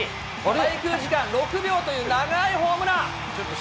滞空時間６秒という長いホームラン。